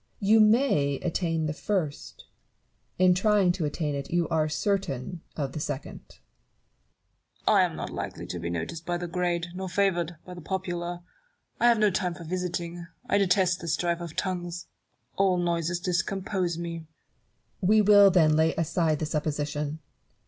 You may attain the first ; in trying to attain it, you are certain of the second. Newton. I am not likely to be noticed by the great, nor favoured by the popular. I have no time for visiting : I detest the strife of tongues ; all noises discompose me. Barrow. We will then lay aside the supposition.